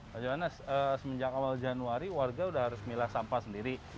pak johannes semenjak awal januari warga sudah harus milah sampah sendiri